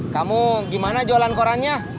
kamu gimana jualan korannya